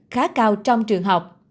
khá cao trong trường học